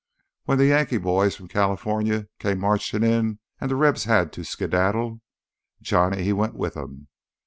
When th' Yankee boys from Californy came marchin' in an' th' Rebs had to skedaddle—Johnny, he went with 'em.